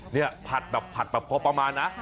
เนี่ยผัดแบบพอประมาณนะ